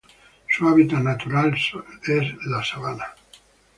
Su hábitat natural son: sabanas.